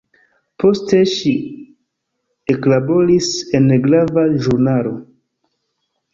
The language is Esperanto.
Poste ŝi eklaboris en grava ĵurnalo.